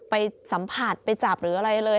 ไปสัมผัสไปจับหรืออะไรเลย